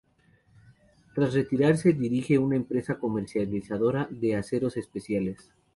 Tras retirarse dirige una empresa comercializadora de aceros especiales.